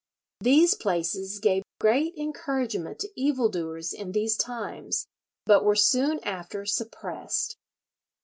These places gave great encouragement to evil doers in these times, but were soon after suppressed.